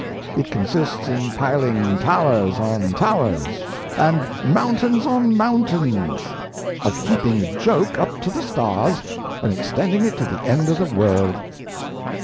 It consists in piling towers on towers and mountains on mountains; of heaping a joke up to the stars and extending it to the end of the world."